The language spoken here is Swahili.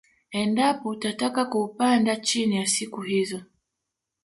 Endapo utataka kuupanda chini ya siku hizo